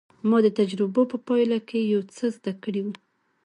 ما د تجربو په پايله کې يو څه زده کړي وو.